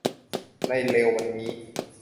ในเร็ววันนี้